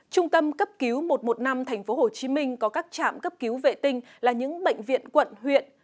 trung tâm cấp cứu một trăm một mươi năm tp hcm có các trạm cấp cứu vệ tinh là những bệnh viện quận huyện